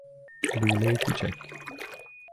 لولۀ کوچک